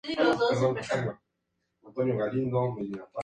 A pesar de todo, la nobleza del país decidió llegar a un acuerdo.